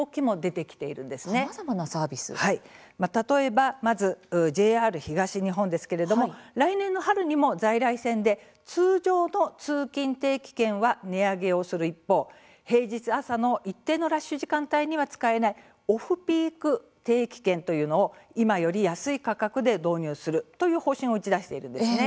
はい、例えばまず、ＪＲ東日本ですけれども来年の春にも在来線で通常の通勤定期券は値上げをする一方平日朝の一定のラッシュ時間帯には使えないオフピーク定期券というのを今より安い価格で導入するという方針を打ち出しているんです。